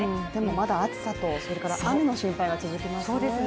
まだ暑さと雨の心配は続きますね。